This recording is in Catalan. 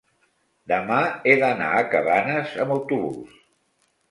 demà he d'anar a Cabanes amb autobús.